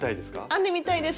編んでみたいです！